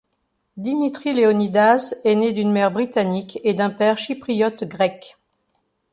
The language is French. Dimitri Leonidas est né d'une mère britannique et d'un père chypriote grec.